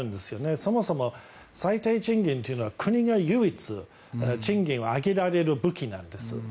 そもそも最低賃金というのは国が唯一賃金を上げられる武器なんです。